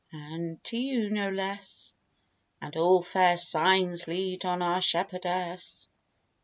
And to you no less; And all fair signs lead on our shepherdess.